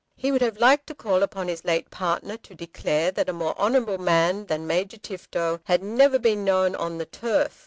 He would have liked to call upon his late partner to declare that a more honourable man than Major Tifto had never been known on the turf.